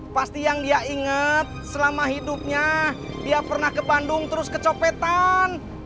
pasti yang dia ingat selama hidupnya dia pernah ke bandung terus kecopetan